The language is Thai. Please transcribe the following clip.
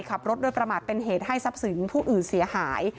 ขับรถโดยประมาทเป็นเหตุให้ทรัพย์สินผู้อื่นเสียหาย